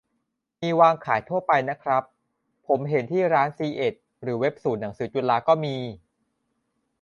มีวางขายทั่วไปนะครับ ผมเห็นที่ร้านซีเอ็ด หรือเว็บศูนย์หนังสือจุฬาก็มี